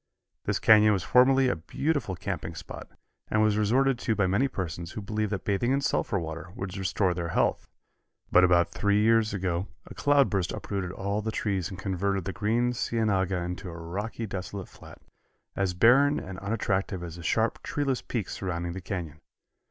This canyon was formerly a beautiful camping spot, and was resorted to by many persons who believed that bathing in sulphur water would restore their health, but about three years ago a cloudburst uprooted all the trees and converted the green cienaga into a rocky desolate flat, as barren and unattractive as the sharp, treeless peaks surrounding the canyon.